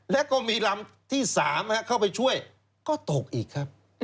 แล้วก็มีลำที่๓เข้าไปช่วยก็ตกอีกครับ